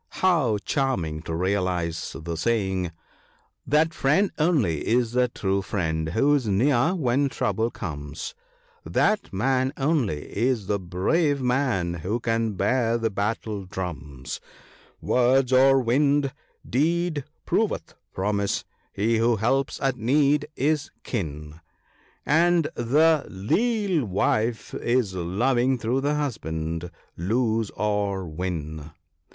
How charming to realize the saying !—" That friend only is the true friend who is near when trouble comes ; That man only is the brave man who can bear the battle drums ; Words are wind ; deed proveth promise : he who helps at need is kin ; And the leal wife is loving though the husband lose or win."